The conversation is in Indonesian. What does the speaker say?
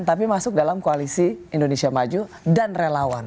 tapi masuk dalam koalisi indonesia maju dan relawan